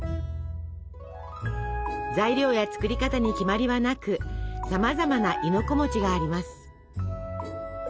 材料や作り方に決まりはなくさまざまな亥の子があります。